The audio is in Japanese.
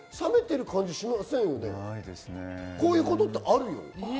こういうことってあるよ。